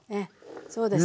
そうです。